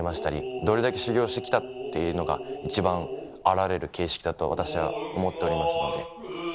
どれだけ修業して来たっていうのが一番現れる形式だと私は思っておりますので。